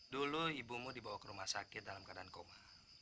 dulu ibumu dibawa ke rumah sakit dalam keadaan koma